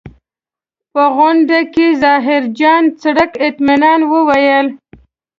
په غونډه کې ظاهرجان څرک اطمنان وویل.